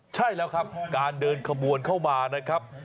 ใช่แล้วครับการเดินขบวนเข้ามานะครับ